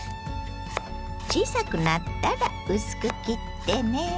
小さくなったら薄く切ってね。